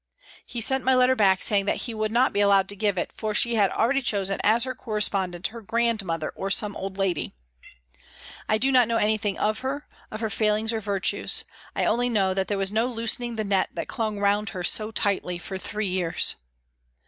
He sent my letter back, say ing that he would not be allowed to give it, for she 332 PRISONS AND PRISONERS had already chosen as her correspondent her grand mother or some old lady. I do not know anything of her, of her failings or virtues ; I only know that there was no loosening the net that clung round her so tightly for three years.